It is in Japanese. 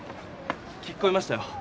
聞きこみましたよ。